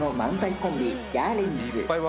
コンビヤーレンズ